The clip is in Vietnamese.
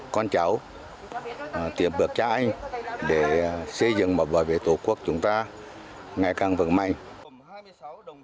con cháu tìm bậc trai để xây dựng một vòi vệ tổ quốc chúng ta ngày càng vững mạnh